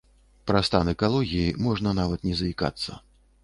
Пра стан экалогіі можна нават не заікацца.